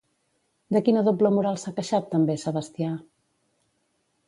De quina doble moral s'ha queixat també Sebastià?